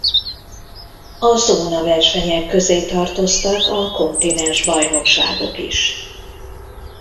A zónaversenyek közé tartoztak a kontinensbajnokságok is.